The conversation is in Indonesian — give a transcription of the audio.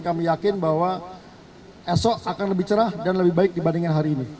kami yakin bahwa esok akan lebih cerah dan lebih baik dibandingkan hari ini